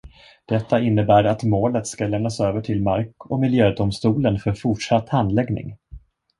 Detta innebär att målet ska lämnas över till mark- och miljödomstolen för fortsatt handläggning.